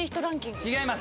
違います！